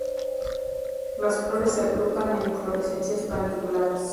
Las flores se agrupan en inflorescencias paniculadas.